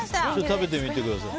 食べてみてください。